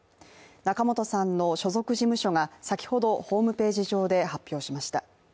仲本さんの所属事務所が先ほどホームページ上で発表しました。